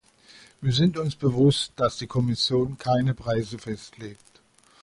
Wir sind uns bewusst, dass die Kommission keine Preise festlegt.